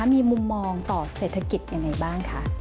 มีมุมมองต่อเศรษฐกิจยังไงบ้างคะ